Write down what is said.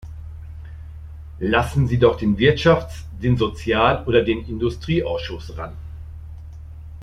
Lassen Sie doch den Wirtschafts-, den Sozialoder den Industrieausschuss ran.